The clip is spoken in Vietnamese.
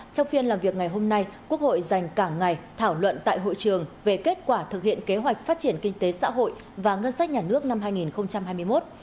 trong phiên làm việc ngày hôm nay quốc hội dành cả ngày thảo luận tại hội trường về kết quả thực hiện kế hoạch phát triển kinh tế xã hội và ngân sách nhà nước năm hai nghìn hai mươi một